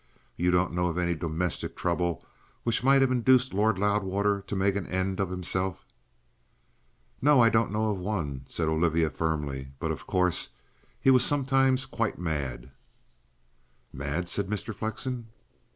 "You don't know of any domestic trouble which might have induced Lord Loudwater to make an end of himself?" "No, I don't know of one," said Olivia firmly. "But, of course, he was sometimes quite mad." "Mad?" said Mr. Flexen.